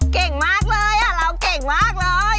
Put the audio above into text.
เก่งมากเลยเราเก่งมากเลย